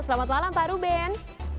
selamat malam pak ruben